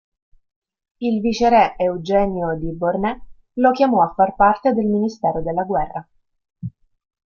Il viceré Eugenio di Beauharnais lo chiamò a far parte del Ministero della Guerra.